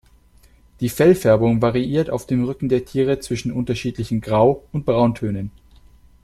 Die Fellfärbung variiert auf dem Rücken der Tiere zwischen unterschiedlichen Grau- und Brauntönen.